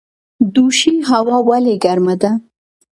دوشي هوا ولې ګرمه ده؟